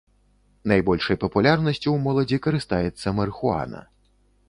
Найбольшай папулярнасцю ў моладзі карыстаецца марыхуана.